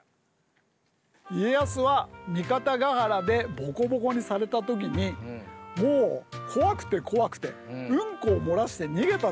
家康は三方ヶ原でボコボコにされた時にもう怖くて怖くてうんこを漏らして逃げたっていいます。